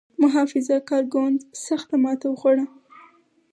محافظه کار ګوند سخته ماته وخوړه.